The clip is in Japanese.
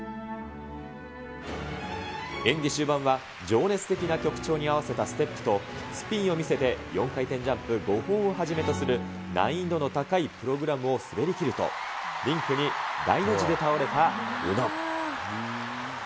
演技終盤は情熱的な曲調に合わせたステップと、スピンを見せて４回転ジャンプ５本をはじめとする難易度の高いプログラムを滑りきると、リンクに大の字で倒れた宇野。